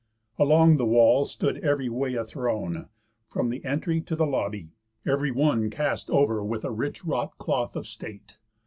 Along the wall stood ev'ry way a throne, From th' entry to the lobby, ev'ry one Cast over with a rich wrought cloth of state.